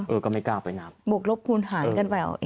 ก็ไม่กล้าไปนับบวกลบคูณหารกันไปเอา